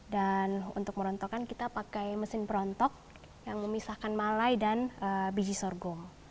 dan untuk merontokkan kita pakai mesin perontok yang memisahkan malai dan biji sorghum